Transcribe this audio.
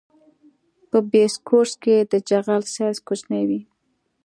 په بیس کورس کې د جغل سایز کوچنی وي